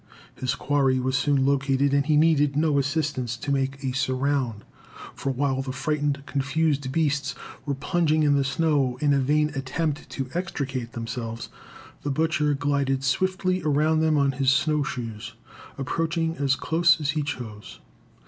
His quarry was soon located, and he needed no assistance to make a surround; for, while the frightened, confused beasts were plunging in the snow, in a vain attempt to extricate themselves, the butcher glided swiftly around them on his snowshoes, approaching as close as he chose.